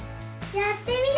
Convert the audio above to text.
やってみる！